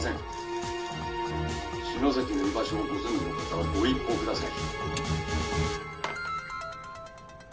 「篠崎の居場所をご存じの方はご一報ください」